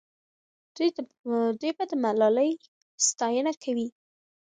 دوی به د ملالۍ ستاینه کوي.